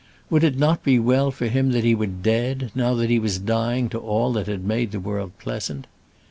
Would it not be well for him that he were dead, now that he was dying to all that had made the world pleasant!